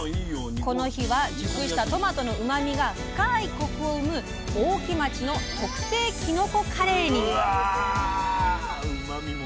この日は熟したトマトのうまみが深いコクを生む大木町の特製きのこカレーに。